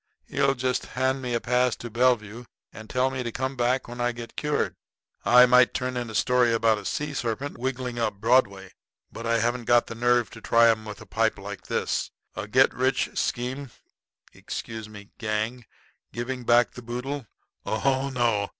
He'll just hand me a pass to Bellevue and tell me to come back when I get cured. I might turn in a story about a sea serpent wiggling up Broadway, but I haven't got the nerve to try 'em with a pipe like this. A get rich quick scheme excuse me gang giving back the boodle! Oh, no.